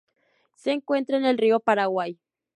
Se encuentra en el río Paraguay.